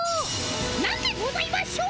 なんでございましょう？